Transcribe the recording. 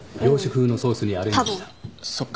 そっか。